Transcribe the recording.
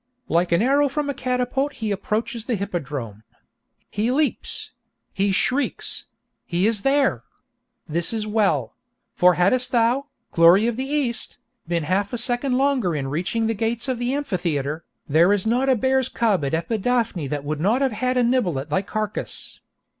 Like an arrow from a catapult he approaches the hippodrome! He leaps!—he shrieks!—he is there! This is well; for hadst thou, 'Glory of the East,' been half a second longer in reaching the gates of the Amphitheatre, there is not a bear's cub in Epidaphne that would not have had a nibble at thy carcase.